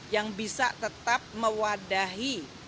yang bisa tetap mewadahi